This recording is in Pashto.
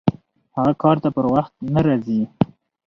هغه کار ته پر وخت نه راځي!